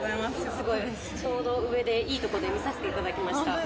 ちょうど上でいいところで見させてもらいました。